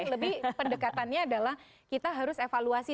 lebih pendekatannya adalah kita harus evaluasi